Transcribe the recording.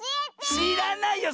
しらないよ